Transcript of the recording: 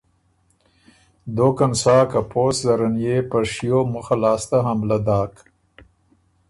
دوکن سا، که پوسټ زره ان يې په شیو مُخه لاسته حملۀ داک۔